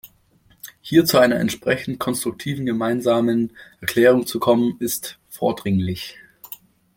Hier zu einer entsprechend konstruktiven gemeinsamen Erklärung zu kommen, ist vordringlich.